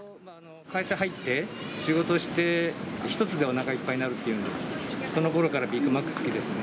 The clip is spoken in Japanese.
会社入って、仕事して、１つでおなかいっぱいになるっていうのが、そのころからビッグマック好きですね。